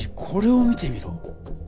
これを見てみろ。